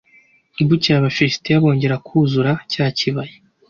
Bukeye Abafilisitiya bongera kuzura cya kibaya